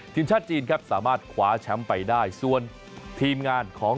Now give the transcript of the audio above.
ทีมชาติที่จีนสามารถขวาแชมป์ไปได้คนชาติเมียไม่ชนะ